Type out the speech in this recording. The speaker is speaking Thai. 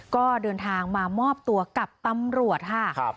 ก็เดินทางมามอบตัวกับตำรวจค่ะ